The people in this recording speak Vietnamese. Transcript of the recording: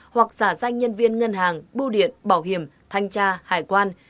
hoặc giả danh nhân viên ngân hàng bưu điện bảo hiểm thanh tra hải quan